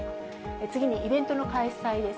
次にイベントの開催です。